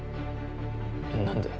何で？